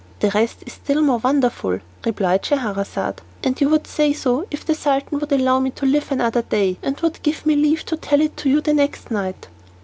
"The rest is still more wonderful," replied Scheherazade, "and you would say so, if the sultan would allow me to live another day, and would give me leave to tell it to you the next night."